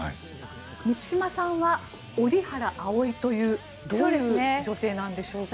満島さんは折原葵というどういう女性なんでしょうか？